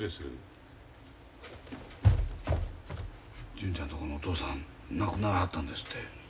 純ちゃんとこのお父さん亡くならはったんですって？